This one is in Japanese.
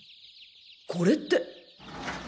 これって！